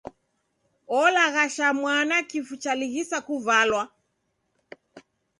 Olaghasha mwana kifu chalighisa kuvalwa.